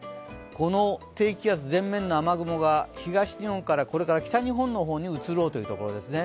この低気圧、前面の雨雲が東日本からこれから北日本の方に移ろうというところですね。